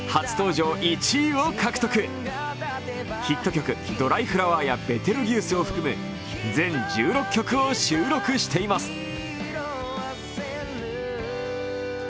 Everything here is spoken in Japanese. ヒット曲「ドライフラワー」や「ベテルギウス」を含め全１６曲を収録しています。